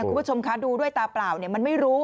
คุณผู้ชมคะดูด้วยตาเปล่าเนี่ยมันไม่รู้